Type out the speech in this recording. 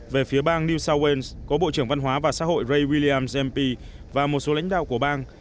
về phía bang new south wales có bộ trưởng văn hóa và xã hội ray williams mp và một số lãnh đạo của bang